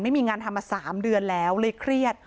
ไม่มีงานทำมา๓เดือนแล้วเลยเครียด